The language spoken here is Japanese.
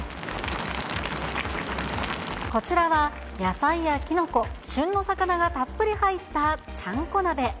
こちらは野菜やキノコ、旬の魚がたっぷり入ったちゃんこ鍋。